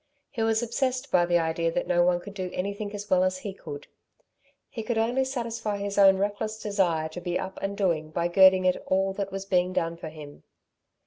He was obsessed by the idea that no one could do anything as well as he could. He could only satisfy his own reckless desire to be up and doing by girding at all that was being done for him.